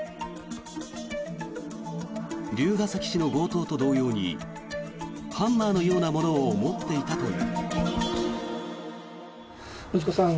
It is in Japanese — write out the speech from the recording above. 龍ケ崎市の強盗と同様にハンマーのようなものを持っていたという。